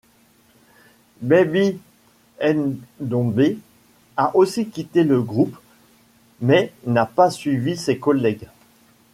Baby Ndombé a aussi quitter le groupe mais n’a pas suivi ses collègues.